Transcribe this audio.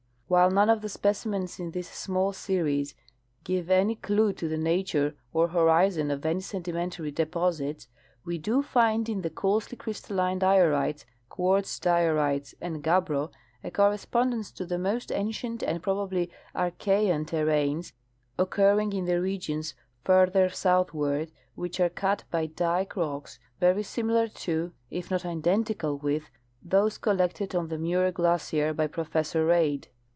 * While none of the specimens in this small series give any clue to the nature or horizon of any sedimentary deposits, we do firid in the coarsely crystalline diorites, quartz diorites and gabbro a correspondence to the most ancient and probably Archean ter ranes occurring in the regions farther southward which are cut by dike rocks very similar to if not identical with those collected on the Muir glacier by Professor Reid.